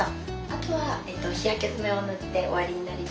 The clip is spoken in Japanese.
あとは日焼け止めを塗って終わりになります。